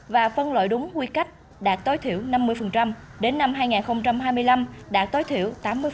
và phân loại đúng quy cách đạt tối thiểu năm mươi đến năm hai nghìn hai mươi năm đã tối thiểu tám mươi